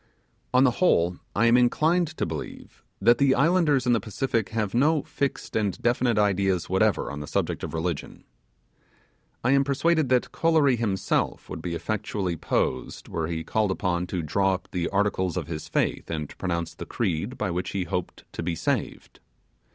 On the whole, I am inclined to believe, that the islanders in the Pacific have no fixed and definite ideas whatever on the subject of religion. I am persuaded that Kolory himself would be effectually posed were he called upon to draw up the articles of his faith and pronounce the creed by which he hoped to be saved.